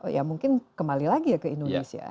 ya mungkin kembali lagi ya ke indonesia